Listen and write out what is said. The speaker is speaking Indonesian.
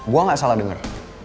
gua gak salah denger